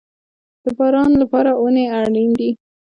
د باران لپاره ونې اړین دي